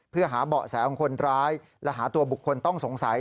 เพื่อหาเบาะแสของคนร้ายและหาตัวบุคคลต้องสงสัย